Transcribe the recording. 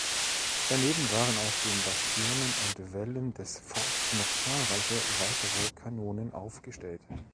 Daneben waren auf den Bastionen und Wällen des Forts noch zahlreiche weitere Kanonen aufgestellt.